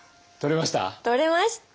取れました？